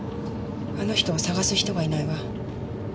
あの人を捜す人がいないわ。